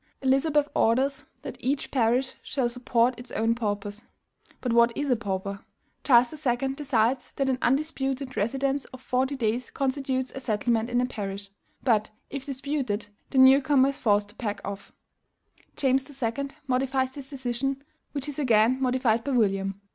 Elizabeth orders that each parish shall support its own paupers. But what is a pauper? Charles II. decides that an UNDISPUTED residence of forty days constitutes a settlement in a parish; but, if disputed, the new comer is forced to pack off. James II. modifies this decision, which is again modified by William.